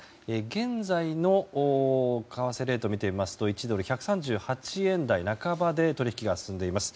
現在の為替レートを見ると１ドル＝１３８円台半ばで取引が進んでいます。